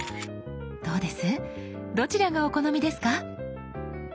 どうですどちらがお好みですか？